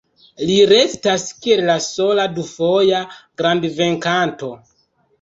Li restas kiel la sola du-foja grand-venkanto.